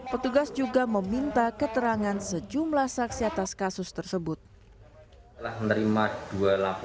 petugas juga meminta keterangan sejumlah saksi atas kasus tersebut lah menerima dua laporan scheduled